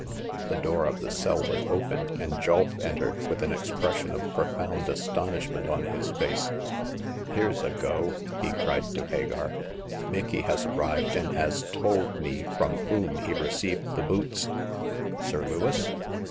The door of the cell was opened, and Julf entered, with an expression of profound astonishment on his face. " Here's a go !" he cried to Hagar. Micky has arrived, and has told me from whom he received the boots !" "Sir Lewis?"